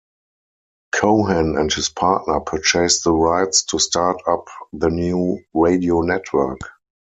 Cohen and his partner purchased the rights to start up the new radio network.